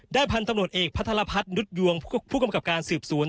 พันธุ์ตำรวจเอกพัทรพัฒนุษยวงผู้กำกับการสืบสวน